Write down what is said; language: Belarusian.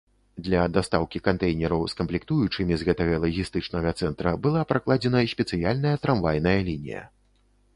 Для дастаўкі кантэйнераў з камплектуючымі з гэтага лагістычнага цэнтра была пракладзена спецыяльная трамвайная лінія.